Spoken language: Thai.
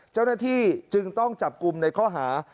เจ้าหน้าที่จึงต้องจับกลุ่มในข้อหา